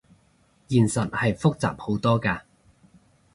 現實係複雜好多㗎